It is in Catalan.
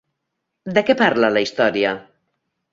De què parla la història?